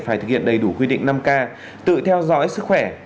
phải thực hiện đầy đủ quy định năm k tự theo dõi sức khỏe